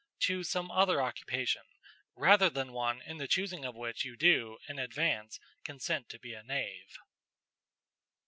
Choose some other occupation, rather than one in the choosing of which you do, in advance, consent to be a knave."